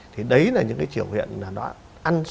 thì đấy là những cái biểu hiện là nó ăn